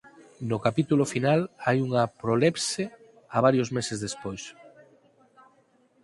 No capítulo final hai unha prolepse a varios meses despois.